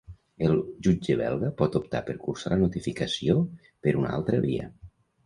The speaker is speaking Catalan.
El jutge belga pot optar per cursar la notificació per una altra via.